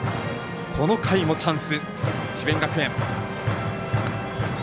この回もチャンス、智弁学園。